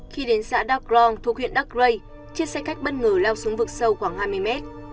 khi đến xã dark long thuộc huyện dark gray chiếc xe khách bất ngờ lao xuống vực sâu khoảng hai mươi m